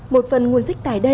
một phần nguồn dịch tài đây